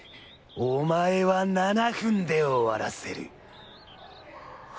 お前は７分で終わらせる。